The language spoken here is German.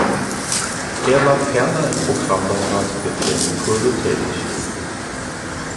Er war ferner im Programmbeirat der Ferienkurse tätig.